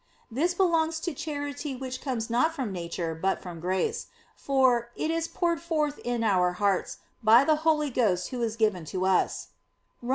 This belongs to charity which comes not from nature but from grace; for "it is poured forth in our hearts by the Holy Ghost Who is given to us" (Rom.